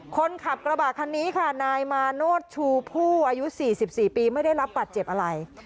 คนขับกระบะคันนี้ค่ะนายมาโนธชูผู้อายุ๔๔ปีไม่ได้รับบัตรเจ็บอะไร